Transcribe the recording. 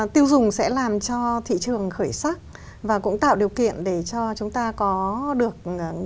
tiêu dùng sẽ làm cho thị trường khởi sắc và cũng tạo điều kiện để cho chúng ta có được